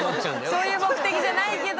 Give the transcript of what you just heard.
そういう目的じゃないけど。